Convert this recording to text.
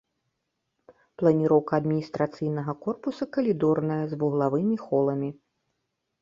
Планіроўка адміністрацыйнага корпуса калідорная з вуглавымі холамі.